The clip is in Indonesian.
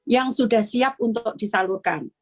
yang sudah siap untuk disalurkan